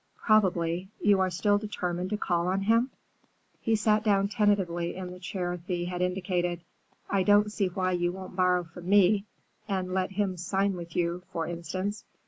"Probably. You are still determined to call on him?" He sat down tentatively in the chair Thea had indicated. "I don't see why you won't borrow from me, and let him sign with you, for instance.